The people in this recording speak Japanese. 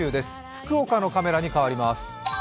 福岡のカメラに変わります。